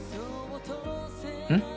うん？